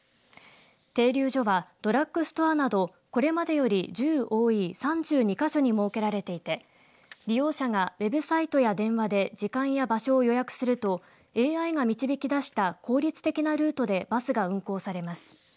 停留所はドラッグストアなどこれまでより１０多い３２か所に設けられていて利用者がウェブサイトや電話で時間や場所を予約するとＡＩが導き出した効率的なルートでバスが運行されます。